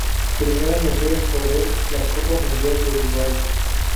Primera mujer en correr la Copa mundial de Dubái.